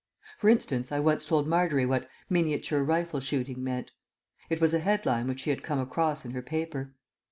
For instance, I once told Margery what "Miniature Rifle Shooting" meant; it was a head line which she had come across in her paper.